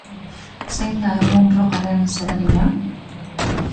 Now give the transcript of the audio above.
Zein da, egun, rockaren zeregina?